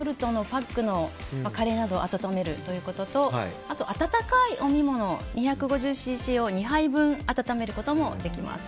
あとは、レトルトのパックのカレーなどを温めることとあと、温かい飲み物２５０ｃｃを２杯分温めることもできます。